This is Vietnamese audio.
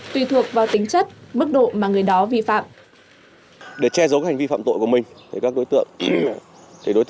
tùy thuộc vào tính chất mức độ